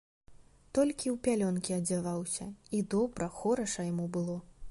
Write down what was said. Толькі ў пялёнкі адзяваўся, і добра, хораша яму было.